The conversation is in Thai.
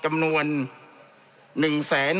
จำนวนเนื้อที่ดินทั้งหมด๑๒๒๐๐๐ไร่